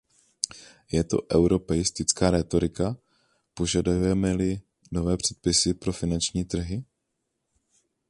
Je to europeistická rétorika, požadujeme-li nové předpisy pro finanční trhy?